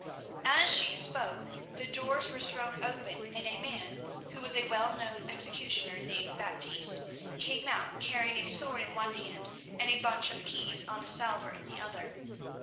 As she spoke the doors were thrown open and a man—he was a well known executioner named Baptiste—came out carrying a sword in one hand and a bunch of keys on a salver in the other.